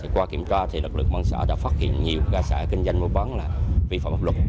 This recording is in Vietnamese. qua kiểm tra thì lực lượng bàn xã đã phát hiện nhiều cơ sở kinh doanh mua bán là vi phạm hợp lục